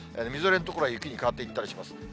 みぞれの所は雪に変わっていったりします。